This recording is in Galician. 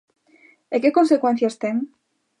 ¿E que consecuencias ten?